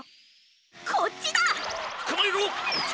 こっちだ！